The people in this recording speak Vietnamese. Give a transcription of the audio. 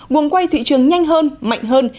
nguồn quay thị trường nhanh hơn mạnh hơn